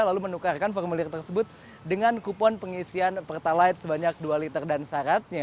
lalu menukarkan formulir tersebut dengan kupon pengisian pertalite sebanyak dua liter dan syaratnya